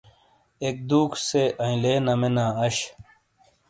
ایک دُوک سے ایئنلے نامےنا اش۔